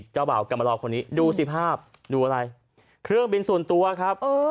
เจ้าบ่าวกรรมรอคนนี้ดูสิภาพดูอะไรเครื่องบินส่วนตัวครับ